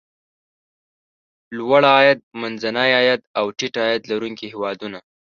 لوړ عاید، منځني عاید او ټیټ عاید لرونکي هېوادونه.